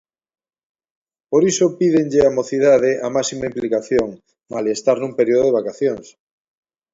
Por iso pídenlle á mocidade a máxima implicación malia estar nun período de vacacións.